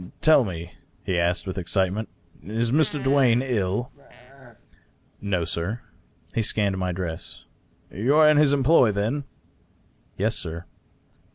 " Tell me," he asked, with excitement. " Is Mr. Duane ill ?" "No, sir." He scanned my dress. " You are in his employ, then ?" "Yes, sir."